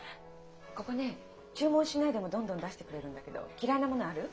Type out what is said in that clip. ここね注文しないでもどんどん出してくれるんだけど嫌いなものある？